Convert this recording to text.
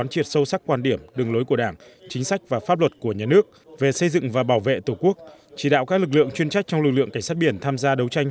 chỉ đạo các lực lượng chuyên trách trong lực lượng cảnh sát biển tham gia đấu tranh